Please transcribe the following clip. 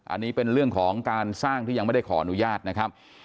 อันนี้เป็นเรื่องของการสร้างที่ยังไม่ได้ขออนุญาตนะครับ